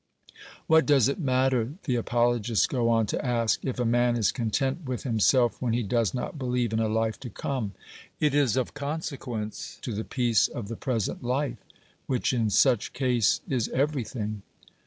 What does it matter, the apologists go on to ask, if a man is content with himself when he does not believe in a life to come ? It is of consequence to the peace of the present life, which in such case is everything.